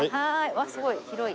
わあすごい広い！